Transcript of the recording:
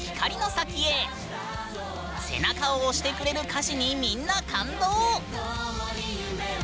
背中を押してくれる歌詞にみんな感動！